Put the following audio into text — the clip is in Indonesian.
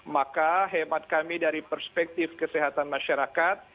maka hemat kami dari perspektif kesehatan masyarakat